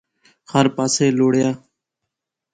ہر پاسے لوڑیا